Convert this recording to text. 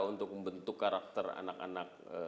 untuk membentuk karakter anak anak